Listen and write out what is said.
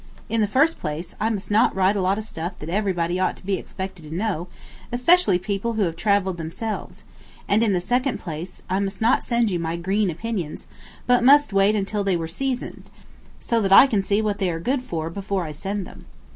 In the first place, I must not write a lot of stuff that everybody ought to be expected to know, especially people who have travelled themselves; and in the second place, I must not send you my green opinions, but must wait until they were seasoned, so that I can see what they are good for before I send them.